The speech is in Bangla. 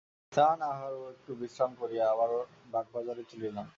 স্নান আহার ও একটু বিশ্রাম করিয়া আবার বাগবাজারে চলিলাম।